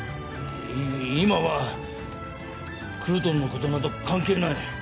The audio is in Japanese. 今はクルトンのことなど関係ない！